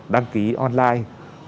đăng ký online